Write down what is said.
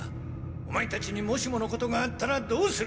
オマエたちにもしものことがあったらどうする！